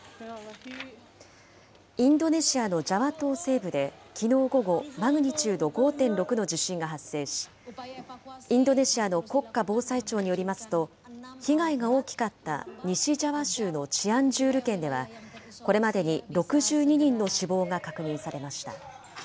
インドネシアのジャワ島西部できのう午後、マグニチュード５．６の地震が発生し、インドネシアの国家防災庁によりますと、被害が大きかった西ジャワ州のチアンジュール県では、これまでに６２人の死亡が確認されました。